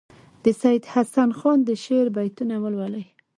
د سیدحسن خان د شعر بیتونه ولولي.